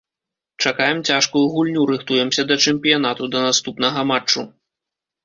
Чакаем цяжкую гульню, рыхтуемся да чэмпіянату, да наступнага матчу.